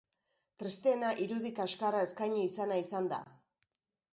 Tristeena irudi kaskarra eskaini izana izan da.